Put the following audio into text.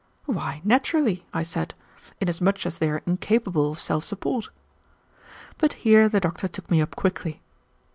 "Why, naturally," I said, "inasmuch as they are incapable of self support." But here the doctor took me up quickly.